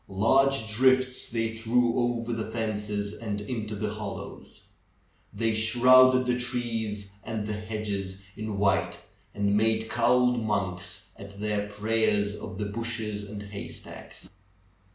Large drifts they threw over the fences and into the hollows. They shrouded the trees and the hedges in white, and made cowled monks at their prayers of the bushes and haystacks.